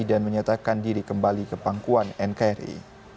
dan menyatakan diri kembali ke pangkuan nkri